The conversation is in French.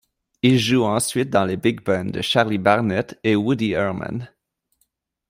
Il joue ensuite dans les big bands de Charlie Barnet et Woody Herman.